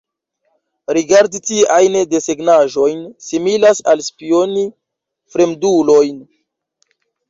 Rigardi tiajn desegnaĵojn similas al spioni fremdulojn.